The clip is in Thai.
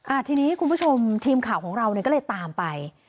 ทีนี้คุณผู้ชมทีมข่าวของเราเนี่ยก็เลยตามไป